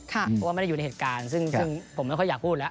เพราะว่าไม่ได้อยู่ในเหตุการณ์ซึ่งผมไม่ค่อยอยากพูดแล้ว